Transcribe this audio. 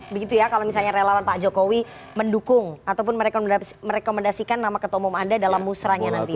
begitu ya kalau misalnya relawan pak jokowi mendukung ataupun merekomendasikan nama ketua umum anda dalam musrahnya nanti